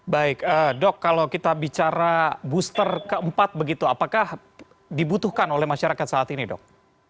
baik dok kalau kita bicara booster keempat begitu apakah dibutuhkan oleh masyarakat saat ini dok